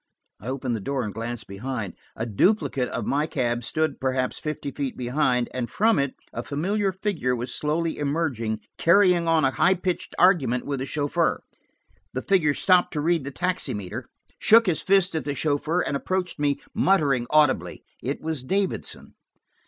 I opened the door and glanced behind. A duplicate of my cab stood perhaps fifty feet behind, and from it a familiar figure was slowly emerging, carrying on a high pitched argument with the chauffeur. The figure stopped to read the taximeter, shook his fist at the chauffeur, and approached me, muttering audibly. It was Davidson.